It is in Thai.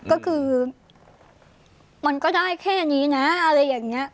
ก็คือมันก็ได้แค่นี้นะอะไรอย่างนี้